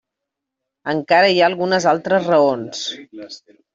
Encara hi ha algunes altres raons.